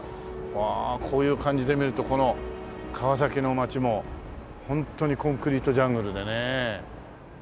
わあこういう感じで見るとこの川崎の街もホントにコンクリートジャングルでね。